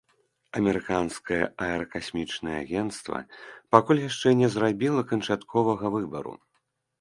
Амерыканскае аэракасмічнае агенцтва пакуль яшчэ не зрабіла канчатковага выбару.